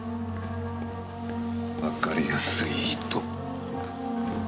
わかりやすい人。